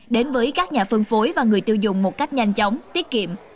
đến với các nhà phân phối và người tiêu dùng một cách nhanh chóng tiết kiệm